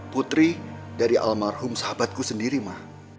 putri dari almarhum sahabatku sendiri mah